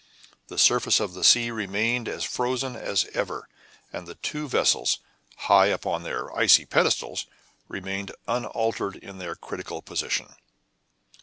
The surface of the sea remained as frozen as ever, and the two vessels, high up on their icy pedestals, remained unaltered in their critical position.